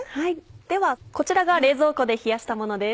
ではこちらが冷蔵庫で冷やしたものです。